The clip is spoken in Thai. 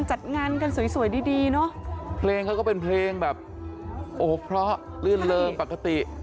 จัดงานกันสวยสวยดีดีเนอะเพลงเขาก็เป็นเพลงแบบโอ้โหเพราะลื่นเริงปกติ